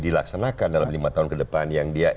dilaksanakan dalam lima tahun ke depan yang dia